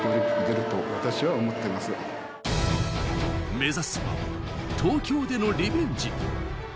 目指すは東京でのリベンジ。